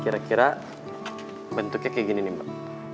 kira kira bentuknya kayak gini nih mbak